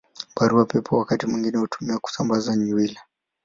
Barua Pepe wakati mwingine hutumiwa kusambaza nywila.